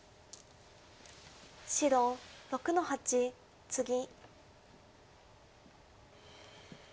白６の八ツギ。